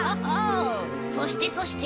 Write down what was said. そしてそして。